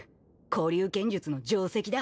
古流剣術の定石だ。